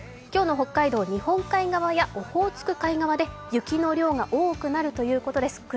今日の北海道、日本海側やオホーツク側で雪の量が多くなるということです。